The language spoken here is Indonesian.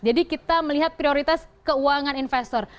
jadi kita melihat prioritas keuangan investor